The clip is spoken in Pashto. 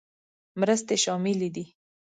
مرستې شاملې دي.